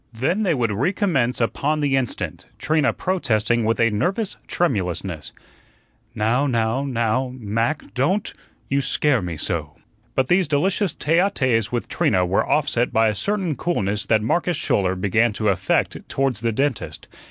Then they would recommence upon the instant, Trina protesting with a nervous tremulousness: "Now now now, Mac, DON'T; you SCARE me so." But these delicious tete a tetes with Trina were offset by a certain coolness that Marcus Schouler began to affect towards the dentist.